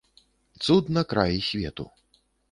Цуд на краі свету.